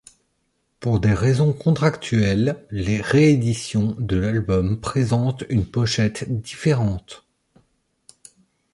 Pour des raisons contractuelles, les rééditions de l'album présentent une pochette différente.